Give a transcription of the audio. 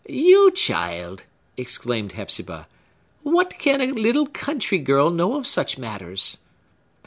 "You, child!" exclaimed Hepzibah. "What can a little country girl know of such matters?"